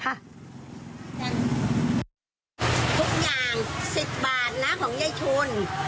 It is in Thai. ทุกอย่าง๑๐บาทนะของยายทุน